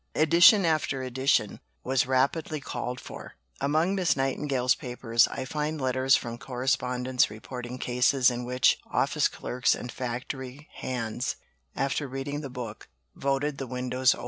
Edition after edition was rapidly called for. Among Miss Nightingale's papers I find letters from correspondents reporting cases in which office clerks and factory hands, after reading the book, voted the windows open.